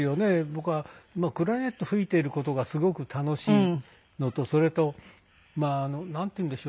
僕はクラリネット吹いている事がすごく楽しいのとそれとなんていうんでしょうね。